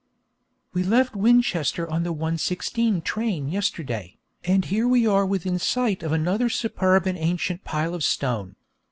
We left Winchester on the 1.16 train yesterday, and here we are within sight of another superb and ancient pile of stone.